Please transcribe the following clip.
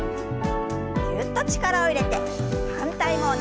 ぎゅっと力を入れて反対も同じように。